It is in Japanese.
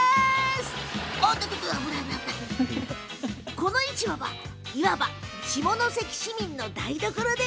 この市場はいわば下関市民の台所。